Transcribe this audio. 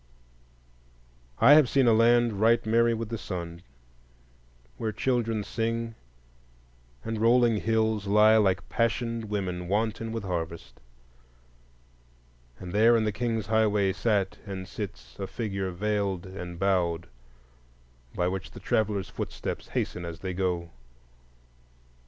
I have seen a land right merry with the sun, where children sing, and rolling hills lie like passioned women wanton with harvest. And there in the King's Highways sat and sits a figure veiled and bowed, by which the traveller's footsteps hasten as they go.